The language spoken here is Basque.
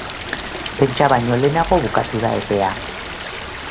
Pentsa baino lehenago bukatu da epea.